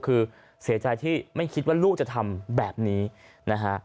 คือเสียใจที่ไม่คิดว่าลูกจะทำแบบนี้นะฮะ